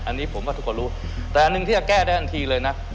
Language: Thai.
อันนี้ผมว่าทุกคนรู้แต่อันหนึ่งที่จะแก้ได้ทันทีเลยนะ